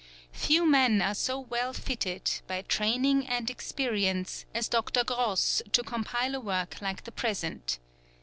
Few men are so well fitted, by train ing and experience, as Dr. Gross to compile a work like the present.